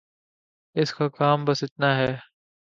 اس کا کام بس اتنا ہے۔